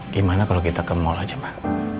gimana kalau kita ke mall aja pak